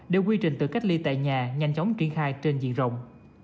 để quy trình tự cách ly tại nhà nhanh chóng triển khai trên diện rộng